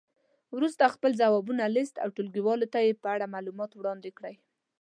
وروسته خپل ځوابونه لیست او ټولګیوالو ته یې په اړه معلومات وړاندې کړئ.